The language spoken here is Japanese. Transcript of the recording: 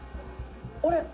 「あれ？」